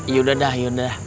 yaudah dah yaudah